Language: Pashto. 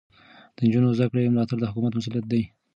د نجونو زده کړې ملاتړ د حکومت مسؤلیت دی.